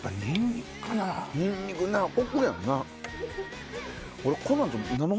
ニンニクコクやんな。